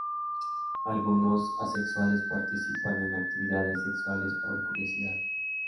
Algunos asexuales participan en actividades sexuales por curiosidad.